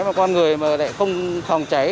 mà con người lại không phòng cháy